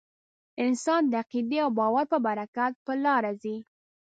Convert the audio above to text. انسان د عقیدې او باور په برکت په لاره ځي.